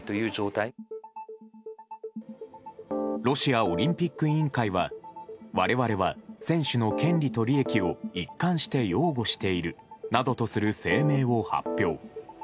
ロシアオリンピック委員会は我々は選手の権利と利益を一貫して擁護しているなどとする声明を発表。